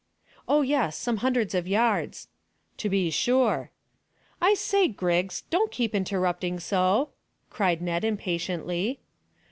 "Oh yes, some hundreds of yards." "To be sure!" "I say, Griggs, don't keep interrupting so," cried Ned impatiently.